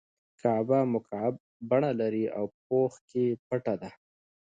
کعبه مکعب بڼه لري او په پوښ کې پټه ده.